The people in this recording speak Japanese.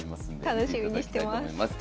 楽しみにしてます。